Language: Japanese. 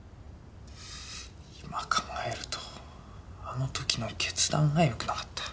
今考えるとあの時の決断がよくなかった。